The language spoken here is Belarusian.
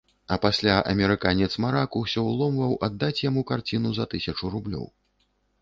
А пасля амерыканец-марак усё ўломваў аддаць яму карціну за тысячу рублёў.